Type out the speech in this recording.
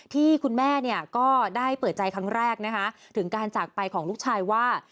ที่คุณแม่เนี่ยก็ได้เปิดใจครั้งแรกนะคะถึงการจากไปของลูกชายว่า